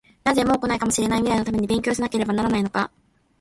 なぜ、もう来ないかもしれない未来のために勉強しなければならないのか？